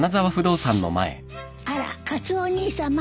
あらカツオお兄さま。